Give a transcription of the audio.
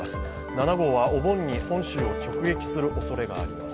７号はお盆に本州を直撃するおそれがあります。